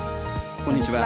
こんにちは。